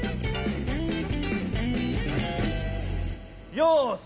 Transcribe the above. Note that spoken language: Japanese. よし！